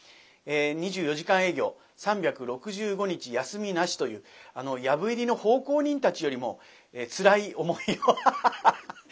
２４時間営業３６５日休みなしという「藪入り」の奉公人たちよりもつらい思いをハハハハッ！